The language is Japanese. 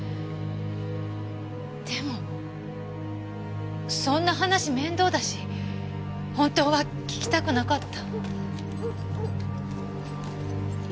でもそんな話面倒だし本当は聞きたくなかった。